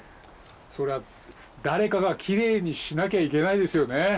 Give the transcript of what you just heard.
そりゃ誰かがきれいにしなきゃいけないですよね。